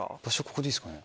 ここでいいですか？